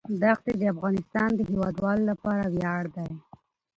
دښتې د افغانستان د هیوادوالو لپاره ویاړ دی.